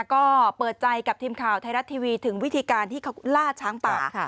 ก็เปิดใจกับทีมข่าวไทยรัฐทีวีถึงวิธีการที่เขาล่าช้างป่า